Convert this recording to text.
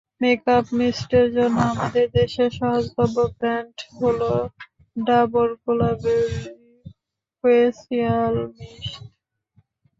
Makeup মিস্টের জন্য আমাদের দেশে সহজলভ্য ব্র্যান্ড হলো ডাবর গুলাবরি ফেসিয়াল মিস্ট।